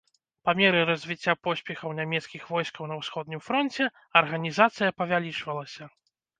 Па меры развіцця поспехаў нямецкіх войскаў на ўсходнім фронце арганізацыя павялічвалася.